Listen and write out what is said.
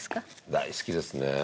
大好きですね。